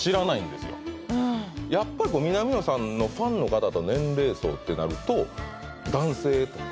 うんやっぱり南野さんのファンの方と年齢層ってなると男性とか？